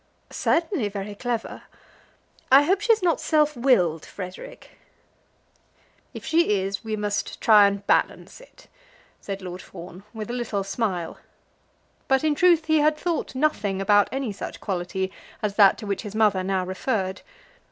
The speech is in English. "Certainly very clever. I hope she is not self willed, Frederic." "If she is, we must try and balance it," said Lord Fawn, with a little smile. But, in truth, he had thought nothing about any such quality as that to which his mother now referred.